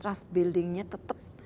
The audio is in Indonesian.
trust buildingnya tetap jalan terus